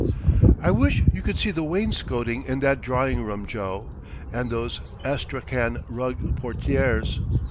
"I wish you could see the wainscoting in that drawing room, Joe! And those Astrakhan rug portières.